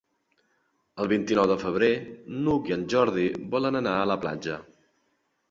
El vint-i-nou de febrer n'Hug i en Jordi volen anar a la platja.